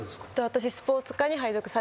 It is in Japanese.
私。